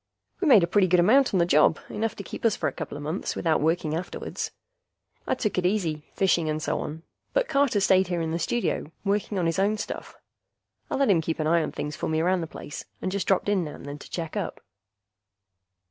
We made a pretty good amount on the job, enough to keep us for a coupla months without working afterwards. I took it easy, fishing and so on, but Carter stayed here in the studio working on his own stuff. I let him keep an eye on things for me around the place, and just dropped in now and then to check up.